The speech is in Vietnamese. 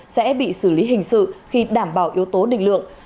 sẽ bị xử lý hình sự khi đảm bảo yếu tố định lượng